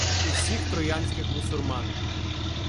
І всіх троянських бусурман.